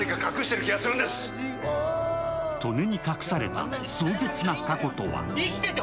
利根に隠された壮絶な過去とは？